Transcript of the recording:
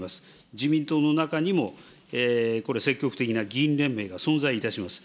自民党の中にも、これ、積極的な議員連盟が存在いたします。